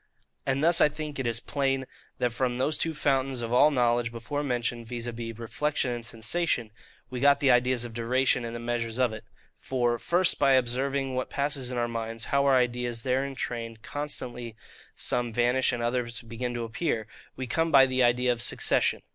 And thus I think it is plain, that from those two fountains of all knowledge before mentioned, viz. reflection and sensation, we got the ideas of duration, and the measures of it. For, First, by observing what passes in our minds, how our ideas there in train constantly some vanish and others begin to appear, we come by the idea of SUCCESSION.